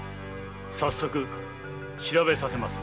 早速調べさせまする。